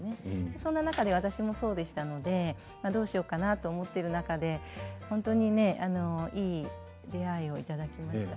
そんな中で私もそうでしたのでどうしようかなと思ってる中でほんとにねいい出会いをいただきました。